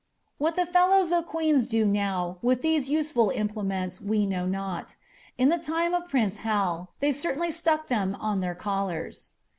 *' What the fellows of Queen's do now with these useful implements we know not ; in the time of prince Hal they certainly stuck them on their collars.